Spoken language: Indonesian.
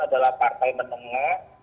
nasdem adalah partai menengah